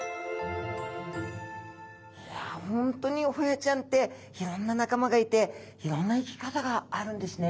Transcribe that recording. いや本当にホヤちゃんっていろんな仲間がいていろんな生き方があるんですね。